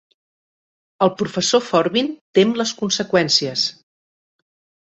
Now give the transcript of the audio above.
El professor Forbin tem les conseqüències.